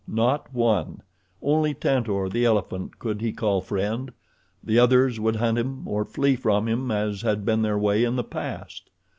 Not one. Only Tantor, the elephant, could he call friend. The others would hunt him or flee from him as had been their way in the past.